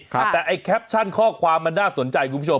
แต่ไอ้แคปชั่นข้อความมันน่าสนใจคุณผู้ชม